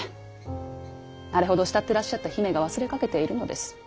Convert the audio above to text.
あれほど慕ってらっしゃった姫が忘れかけているのです。